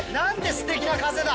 すてきな風だ。